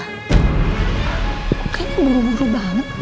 kayaknya buru buru banget